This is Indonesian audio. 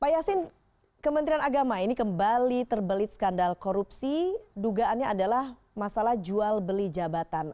pak yasin kementerian agama ini kembali terbelit skandal korupsi dugaannya adalah masalah jual beli jabatan